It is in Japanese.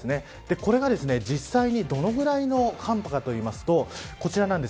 これが実際にどのくらいの寒波かと言いますとこちらです。